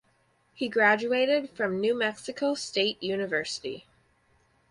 He graduated from New Mexico State University.